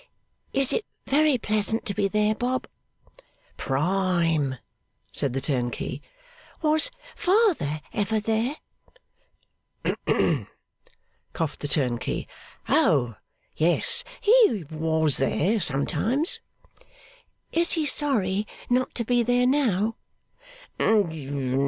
'Is it very pleasant to be there, Bob?' 'Prime,' said the turnkey. 'Was father ever there?' 'Hem!' coughed the turnkey. 'O yes, he was there, sometimes.' 'Is he sorry not to be there now?